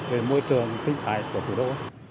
về môi trường sinh thái của thủ đô